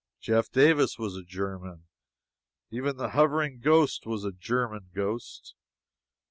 Jeff Davis was a German! even the hovering ghost was a German ghost!